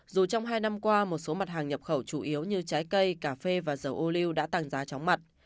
dù trong hai năm qua một số mặt hàng nhập khẩu chủ yếu như trái cây cà phê và dầu ô lưu đã tăng giá chóng mặt